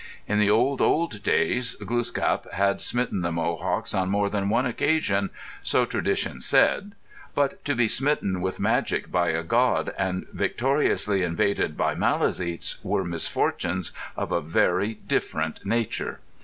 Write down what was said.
In the old, old days Gluskap had smitten the Mohawks on more than one occasion, so tradition said, but to be smitten with magic by a god and victoriously invaded by Maliseets were misfortunes of a very different nature.